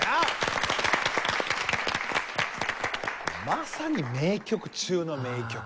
まさに名曲中の名曲。